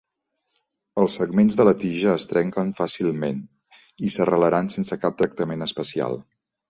Els segments de la tija es trenquen fàcilment i s'arrelaran sense cap tractament especial.